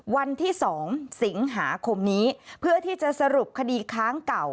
วันที่๒สิงหาคมนี้เพื่อที่จะสรุปคดีค้างเก่า